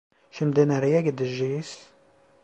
Şimdi nereye gideceğiz?